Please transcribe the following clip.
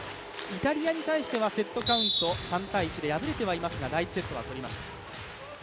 イタリアに対してはセットカウント３−１で破れてはいますが第１セットは取りました。